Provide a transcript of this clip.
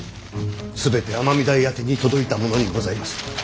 全て尼御台宛てに届いたものにございます。